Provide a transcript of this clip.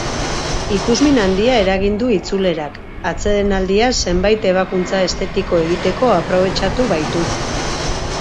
Ikusmin handia eragin du itzulerak, atsedenaldia zenbait ebakuntza estetiko egiteko aprobetxatu baitu.